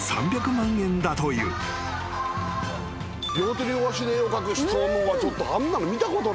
両手両足で絵を描く人のはちょっとあんなの見たことない。